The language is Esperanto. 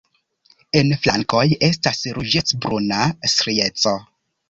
En flankoj estas ruĝecbruna strieco.